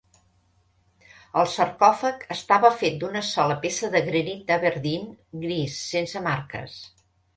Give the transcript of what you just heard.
El sarcòfag estava fet d'una sola peça de granit d'Aberdeen gris sense marques.